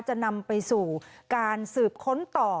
จะนำไปสู่การสืบค้นต่อ